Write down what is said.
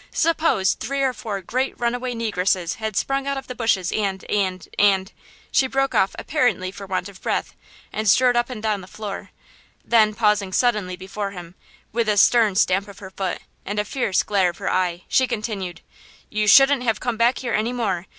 Suppose three or four great runaway negresses had sprung out of the bushes and–and–and–" She broke off apparently for want of breath, and strode up and down the floor; then, pausing suddenly before him, with a stern stamp of her foot and a fierce glare of her eye, she continued: "You shouldn't have come back here any more!